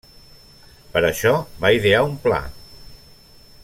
Per això va idear un pla.